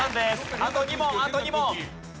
あと２問あと２問。